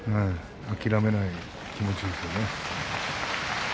諦めない気持ちですね。